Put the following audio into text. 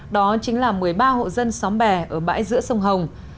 đó chính là một mươi ba hộ dân xóm bè ở bãi giữa sông hồng